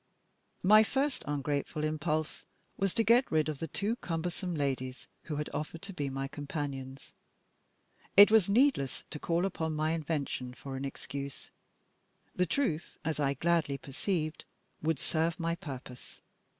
My first ungrateful impulse was to get rid of the two cumbersome ladies who had offered to be my companions. It was needless to call upon my invention for an excuse; the truth, as I gladly perceived, would serve my purpose.